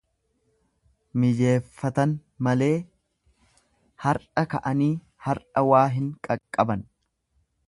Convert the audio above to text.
Mijeeffatan malee har'a ka'anii har'a waa hin qaqqaban.